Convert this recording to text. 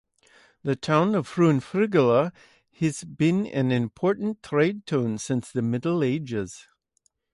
The town of Fuengirola has been an important trade town since the Middle Ages.